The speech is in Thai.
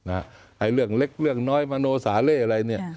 ไอ้เรื่องเล็กเรื่องน้อยมโนสาเล่อะไรเนี่ย